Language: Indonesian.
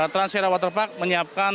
transfera waterpark menyiapkan